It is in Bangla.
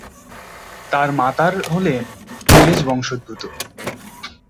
তার মাতার হলেন ইংরেজ বংশোদ্ভূত।